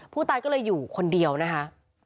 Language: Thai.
ผู้ตายก็เลยอยู่คนเดียวนะคะ